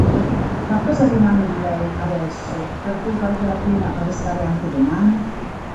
Ma cosa rimane di lei, adesso, per cui valga la pena restare anche domani?